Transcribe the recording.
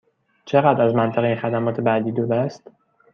چقدر از منطقه خدمات بعدی دور است؟